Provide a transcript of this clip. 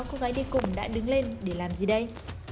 cô gái đi cùng đã đứng lên để làm gì đây